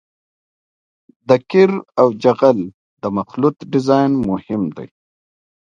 د قیر او جغل د مخلوط ډیزاین مهم دی